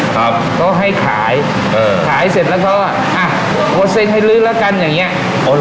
ครับเขาให้ขายเออขายเสร็จแล้วก็อ่ะให้ลื้อแล้วกันอย่างเงี้ยอ๋อหรอ